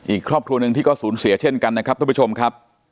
อีกครอบครัวหนึ่งที่ก็สูญเสียเช่นกันนะครับท่านผู้ชมครับ